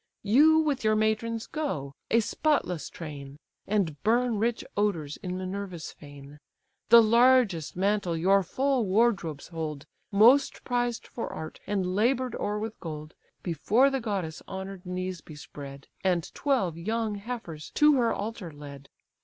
You, with your matrons, go! a spotless train, And burn rich odours in Minerva's fane. The largest mantle your full wardrobes hold, Most prized for art, and labour'd o'er with gold, Before the goddess' honour'd knees be spread, And twelve young heifers to her altar led.